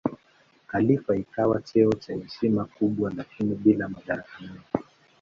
Khalifa ikawa cheo cha heshima kubwa lakini bila madaraka mengi.